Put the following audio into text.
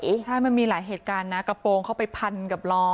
ใช่มันมีหลายเหตุการณ์นะกระโปรงเข้าไปพันกับล้อ